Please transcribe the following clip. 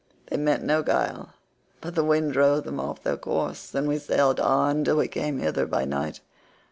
They meant no guile, but the wind drove them off their course, and we sailed on till we came hither by night.